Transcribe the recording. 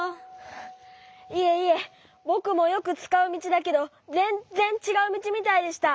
いえいえぼくもよくつかうみちだけどぜんっぜんちがうみちみたいでした。